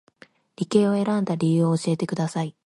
理系を選んだ理由を教えてください